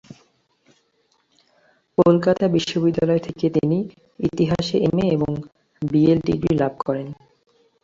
কলকাতা বিশ্ববিদ্যালয় থেকে তিনি ইতিহাসে এম.এ এবং বি.এল ডিগ্রি লাভ করেন।